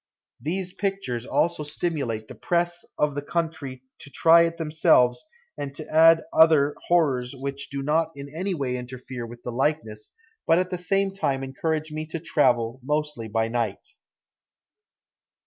These pictures also stimulate the press of the country to try it themselves and to add other horrors which do not in any way interfere with the likeness, but at the same time encourage me to travel mostly by night.